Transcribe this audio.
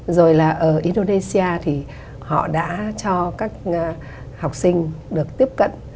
rồi là ở indonesia thì họ đã cho các học sinh được tiếp cận